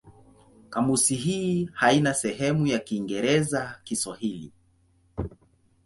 Kamusi hii haina sehemu ya Kiingereza-Kiswahili.